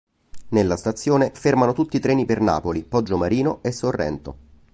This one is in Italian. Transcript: Nella stazione fermano tutti i treni per Napoli, Poggiomarino e Sorrento.